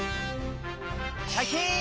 シャキーン！